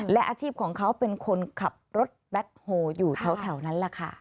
และอาชีพของเขาเป็นคนขับรถแบ็คโฮอยู่แถวนั้นแหละค่ะ